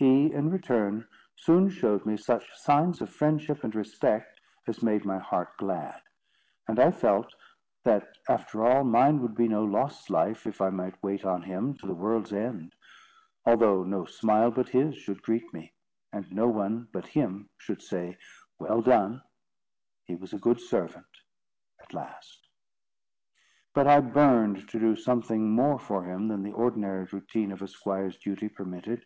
He, in return, soon showed me such signs of friendship and respect, as made my heart glad; and I felt that, after all, mine would be no lost life, if I might wait on him to the world's end, although no smile but his should greet me, and no one but him should say, "Well done! he was a good servant!" at last. But I burned to do something more for him than the ordinary routine of a squire's duty permitted.